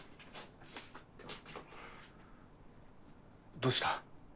どうした？